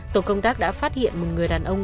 tổ công tác đã phát hiện một người đàn ông